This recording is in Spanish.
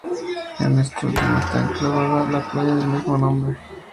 En este último está enclavada la playa del mismo nombre.